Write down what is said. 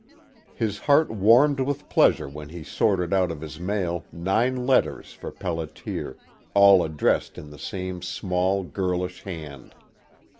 His heart warmed with pleasure when he sorted out of his mail nine letters for Pelliter, all addressed in the same small, girlish hand.